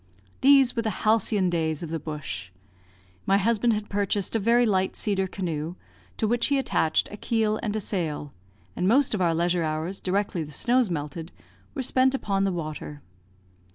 These were the halcyon days of the bush. My husband had purchased a very light cedar canoe, to which he attached a keel and a sail; and most of our leisure hours, directly the snows melted, were spent upon the water.